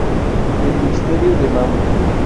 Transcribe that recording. El misterio de Mamo